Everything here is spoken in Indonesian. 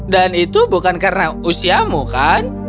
dan itu bukan karena usiamu kan